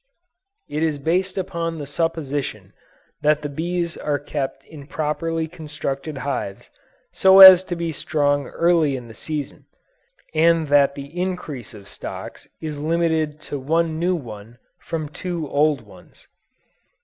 It is based upon the supposition that the bees are kept in properly constructed hives so as to be strong early in the season, and that the increase of stocks is limited to one new one from two old ones.